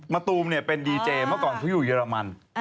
ตูมเป็นดีเจเมื่อก่อนเขาอยู่เรมัน